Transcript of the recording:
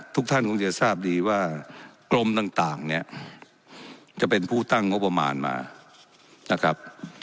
ทุกท่านคงจะทราบดีว่ากรมต่างเนี่ยจะเป็นผู้ตั้งงบประมาณมานะครับ